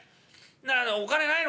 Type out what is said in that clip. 「お金ないの？